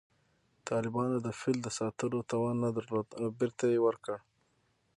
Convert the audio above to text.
طالبانو د فیل د ساتلو توان نه درلود او بېرته یې ورکړ